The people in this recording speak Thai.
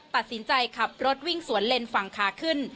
ตัดสินใจขับรถวิ่งสวนเลนฝั่งขาขึ้น